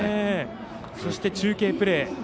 そして中継プレー。